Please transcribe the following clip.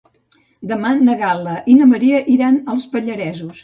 Demà na Gal·la i na Maria iran als Pallaresos.